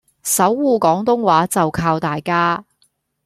守護廣東話就靠大家